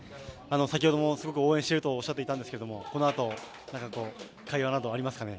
先ほどもすごく応援しているとおっしゃっていたんですけれどもこのあと何か会話などありますかね？